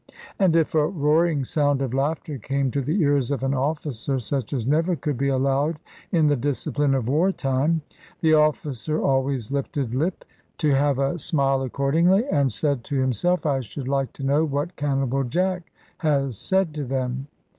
And if a roaring sound of laughter came to the ears of an officer (such as never could be allowed in the discipline of war time), the officer always lifted lip, to have a smile accordingly, and said to himself, "I should like to know what Cannibal Jack has said to them."